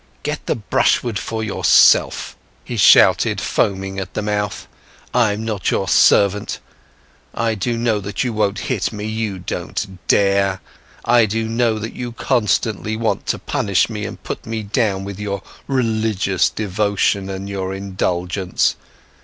"Get the brushwood for yourself!" he shouted, foaming at the mouth, "I'm not your servant. I do know that you won't hit me, you don't dare; I do know that you constantly want to punish me and put me down with your religious devotion and your indulgence.